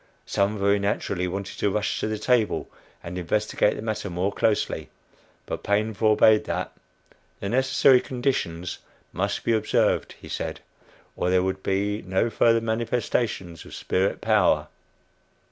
Some very naturally wanted to rush to the table and investigate the matter more closely, but Paine forbade that the necessary "conditions" must be observed, he said, or there would be no further manifestation of spirit power.